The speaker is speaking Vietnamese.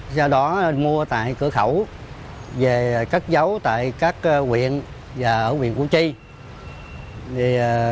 sau đó mua tại cửa khẩu về các dấu tại các huyện và ở huyện củ chi